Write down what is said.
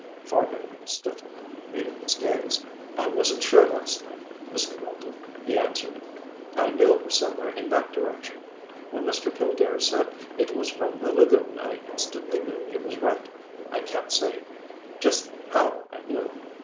Fargo stiffened, meeting his gaze. "I wasn't sure last night, Mr. Weldon," he answered. "I knew it was somewhere in that direction. When Mr. Killdare said it was from the lagoon I instantly knew he was right. I can't say just how I knew.